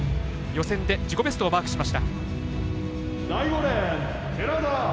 予選で自己ベストをマークしました。